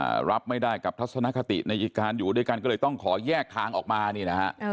รับไม่ได้กับทัศนคติในการอยู่ด้วยกันก็เลยต้องขอแยกทางออกมานี่นะฮะ